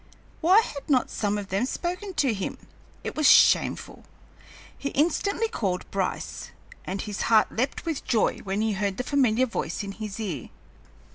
Why had not some of them spoken to him? It was shameful! He instantly called Bryce, and his heart leaped with joy when he heard the familiar voice in his ear.